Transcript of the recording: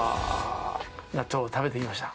納豆食べてきました。